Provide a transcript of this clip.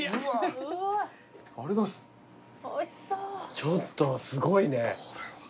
ちょっとすごいね。